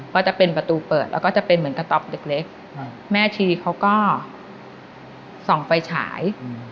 ก็จะเป็นประตูเปิดแล้วก็จะเป็นเหมือนกระต๊อปเล็กแม่ชีเขาก็ส่องไฟฉาย